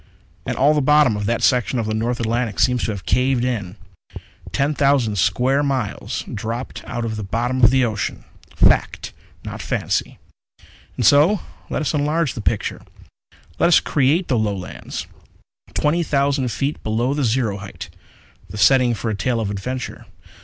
And all the bottom of that section of the North Atlantic seems to have caved in. Ten thousand square miles dropped out of the bottom of the ocean! Fact, not fancy._ _And so let us enlarge the picture. Let us create the Lowlands twenty thousand feet below the zero height the setting for a tale of adventure.